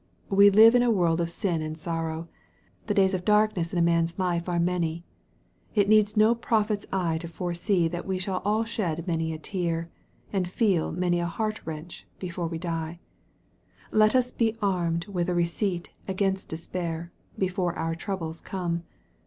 We live in a world of sin and sorrow. The days of darkness in a man's life are many. It needs no prophet's eye to foresee that we shall all shed many a tear, and feel many a heart wrench, before we die. Let us be armed with a receipt against despair, before our troubles come.